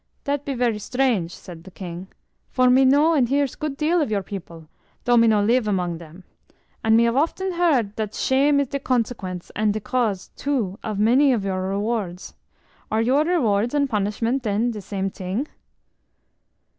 "Dat be ver strange," said the king; "for me know and hears good deal of your people, dough me no live among dem; and me have often hear dat sham is de consequence and de cause too of many of your rewards. Are your rewards and punishments den de same ting?"